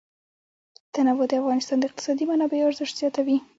تنوع د افغانستان د اقتصادي منابعو ارزښت زیاتوي.